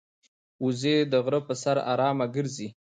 وزې د غره پر سر آرامه ګرځي